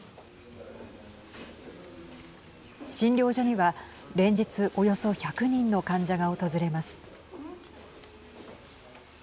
診療所には連日およそ１００人の患者が訪れます。